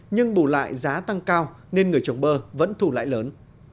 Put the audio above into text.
nhưng bù lại giá tăng cao nên người trồng bơ vẫn thù lãi lớn